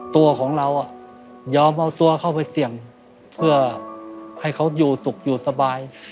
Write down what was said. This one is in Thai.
ตัวของเรายอมเอาตัวเข้าไปเสี่ยงเพื่อให้เขาอยู่ตกอยู่สบาย